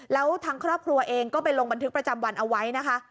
แล้วทางครอบครัวเองก็ไปลงบันทึกประจำวันเอาไว้นะคะ